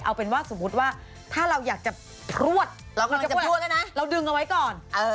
ก็เป็นว่าสมมุติว่าถ้าเราอยากจะพรวชเราดึงเอาไว้ก่อน